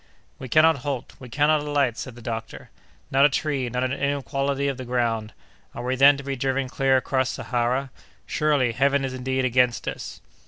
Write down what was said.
"We cannot halt, we cannot alight!" said the doctor; "not a tree, not an inequality of the ground! Are we then to be driven clear across Sahara? Surely, Heaven is indeed against us!"